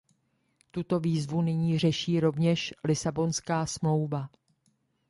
Tuto výzvu nyní řeší rovněž Lisabonská smlouva.